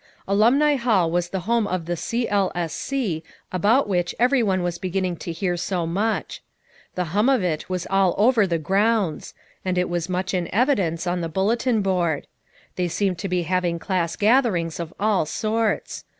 Alumni Hall was the home of the "C. L. S. C." about which one was beginning to hear so much ; the hum of it was all over the grounds; and it was much in evi dence on the bulletin board ; they seemed to be having class gatherings of all sorts.